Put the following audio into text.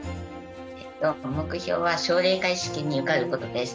えっと目標は奨励会試験に受かることです。